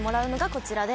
こちらで。